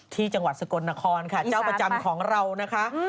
ที่จังหวัดสกรณครจ้าวประจำของเรานะครับ